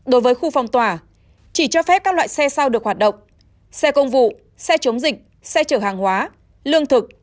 đối với khu phong tỏa chỉ cho phép các loại xe sau được hoạt động xe công vụ xe chống dịch xe chở hàng hóa lương thực